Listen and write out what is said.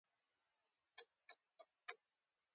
تکواندو ولې مډال راوړ؟